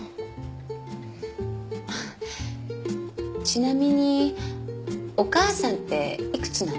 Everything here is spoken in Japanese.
ちなみにお母さんって幾つなの？